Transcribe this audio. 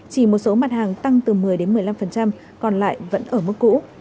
chỉ một số mặt hàng tăng từ một mươi một mươi năm còn lại vẫn ở mức cũ